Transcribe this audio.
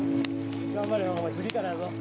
頑張れよ、お前、次からやぞ。